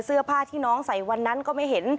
เสื้อผ้าที่น้องใส่วันนั้นก็ไม่เห็น